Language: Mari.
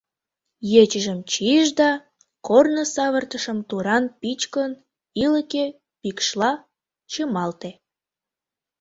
Ечыжым чийыш да, корно савыртышым туран пӱчкын, ӱлыкӧ пикшла чымалте.